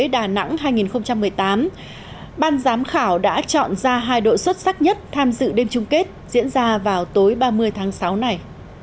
đà nẵng hai nghìn một mươi tám ban giám khảo đã chọn ra hai đội xuất sắc nhất tham dự đêm chung kết diễn ra vào tối ba mươi tháng sáu này